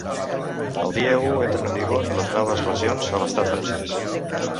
El dia u entren en vigor les noves regions a l’estat francès.